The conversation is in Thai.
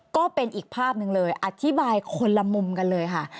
ก็เป็นอีกภาพหนึ่งเลยอธิบายคนละมุมกันเลยค่ะ